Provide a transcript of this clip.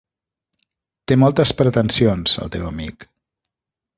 Té moltes pretensions, el teu amic.